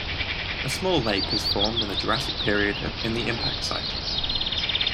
A small lake has formed in the Jurassic period in the impact site.